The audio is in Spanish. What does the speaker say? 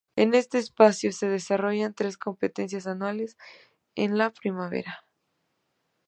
En este espacio se desarrollan tres competencias anuales en la primavera.